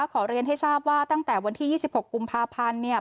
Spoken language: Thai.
ขอเรียนให้ทราบว่าตั้งแต่วันที่๒๖กุมภาพันธ์เนี่ย